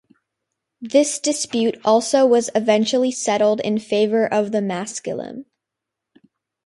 This dispute also was eventually settled in favour of the Maskilim.